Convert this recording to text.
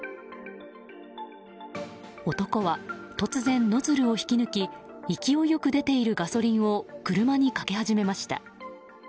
男は突然ノズルを引き抜き勢いよく出ているガソリンを車にかけ始めました。